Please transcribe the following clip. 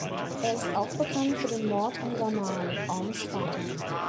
Er ist auch bekannt für den Mord an Gamal, Orms Vater.